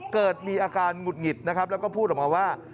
เกิดมีอาการหงุดหงิดนะครับแล้วก็พูดออกมาว่า